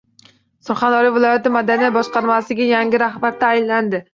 Surxondaryo viloyati madaniyat boshqarmasiga yangi rahbar tayinlandi